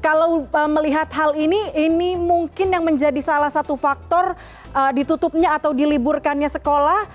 kalau melihat hal ini ini mungkin yang menjadi salah satu faktor ditutupnya atau diliburkannya sekolah